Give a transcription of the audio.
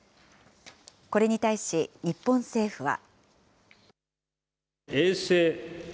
これに対し、日本政府は。